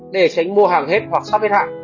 để tránh mua hàng hết hoặc sắp hết hạn